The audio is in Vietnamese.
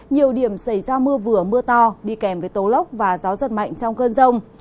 nhiều điểm xảy ra mưa vừa mưa to đi kèm với tố lốc và gió giật mạnh trong cơn rông